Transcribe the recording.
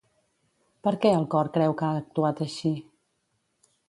Per què el cor creu que ha actuat així?